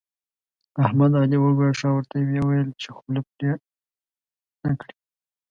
احمد؛ علي وګواښه او ورته ويې ويل چې خوله پرې نه کړې.